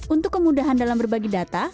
untuk kemudahan dalam berbagi data